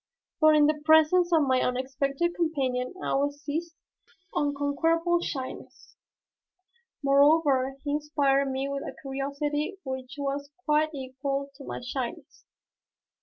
But in the presence of my unexpected companion I was seized with an unconquerable shyness, moreover he inspired me with a curiosity which was quite equal to my shyness.